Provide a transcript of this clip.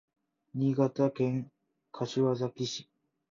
新潟県柏崎市